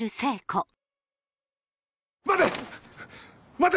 待て！